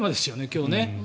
今日はね。